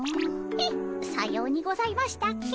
えっさようにございましたっけ？